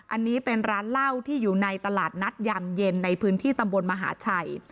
อันนี้เป็นร้านเหล้าที่อยู่ในตลาดนัดยามเย็นในพื้นที่ตำบลมหาชัย